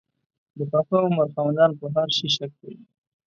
د پاخه عمر خاوندان په هر شي شک کوي.